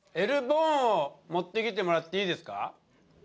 Ｌボーン持ってきてもらっていいですか？